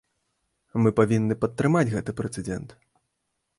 Мы павінны падтрымаць гэты прэцэдэнт.